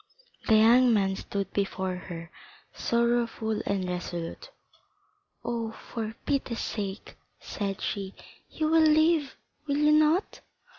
The young man stood before her, sorrowful and resolute. "Oh, for pity's sake," said she, "you will live, will you not?"